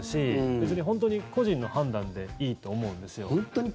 別に本当に、個人の判断でいいと思うんですよ。